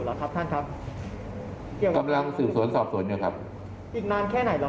ฟังท่านเพิ่มค่ะบอกว่าถ้าผู้ต้องหาหรือว่าคนก่อเหตุฟังอยู่